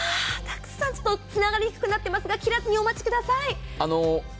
つながりにくくなっていますが切らずにお待ちください。